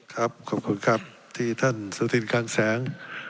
ขอบคุณครับที่ท่านสุธินการแสง